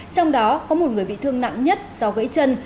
trong đó có một người bị thương nặng nhất do gãy chân